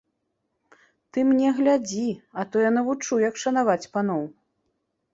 Ты мне глядзі, а то я навучу, як шанаваць паноў!